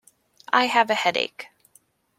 I have a headache.